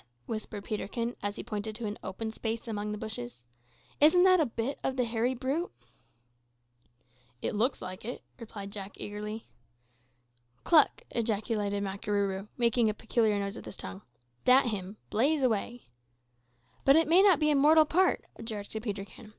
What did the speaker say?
whispered Peterkin, as he pointed to an open space among the bushes. "Isn't that a bit o' the hairy brute?" "It looks like it," replied Jack eagerly. "Cluck!" ejaculated Makarooroo, making a peculiar noise with his tongue. "Dat him. Blaze away!" "But it may not be a mortal part," objected Peterkin.